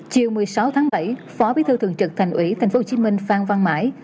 chiều một mươi sáu tháng bảy phó bí thư thường trực thành ủy tp hcm phan văn mãi